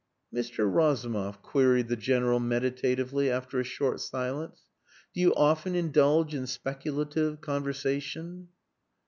"Mr. Razumov," queried the General meditatively, after a short silence, "do you often indulge in speculative conversation?"